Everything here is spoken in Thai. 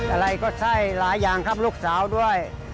อะไรก็ใช่หลายอย่างครับลูกสาวด้วย